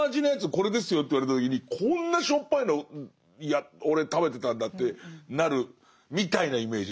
これですよと言われた時にこんなしょっぱいのいや俺食べてたんだってなるみたいなイメージです。